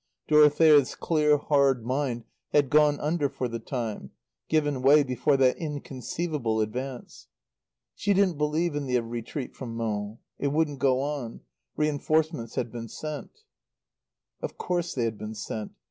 Dorothea's clear, hard mind had gone under for the time, given way before that inconceivable advance. She didn't believe in the retreat from Mons. It couldn't go on. Reinforcements had been sent. Of course they had been sent.